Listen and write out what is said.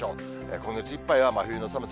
今月いっぱいは真冬の寒さ。